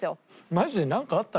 マジでなんかあった？